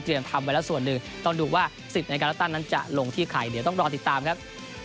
ต้องรอติดตามครับ